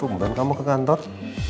tungguan kamu ke kantor